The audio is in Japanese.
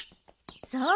そう！